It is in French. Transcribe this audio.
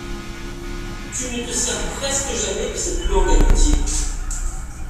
Tu ne te sers presque jamais de cette longue amitié.